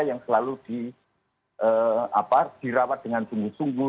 yang selalu dirawat dengan sungguh sungguh